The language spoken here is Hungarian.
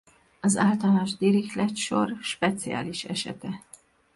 Az általános Dirichlet-sor speciális esete.